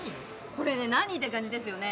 これね何？って感じですよね